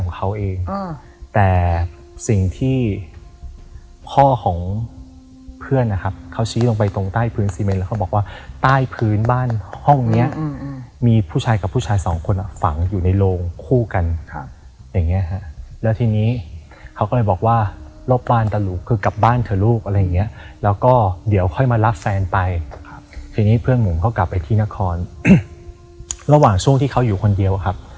แต่สิ่งที่พ่อของเพื่อนนะครับเขาชี้ลงไปตรงใต้พื้นซีเมนแล้วเขาบอกว่าใต้พื้นบ้านห้องเนี้ยมีผู้ชายกับผู้ชายสองคนอ่ะฝังอยู่ในโรงคู่กันครับอย่างเงี้ฮะแล้วทีนี้เขาก็เลยบอกว่ารอบบ้านตะหลุกคือกลับบ้านเถอะลูกอะไรอย่างเงี้ยแล้วก็เดี๋ยวค่อยมารับแฟนไปทีนี้เพื่อนผมก็กลับไปที่นครระหว่างช่วงที่เขาอยู่คนเดียวครับ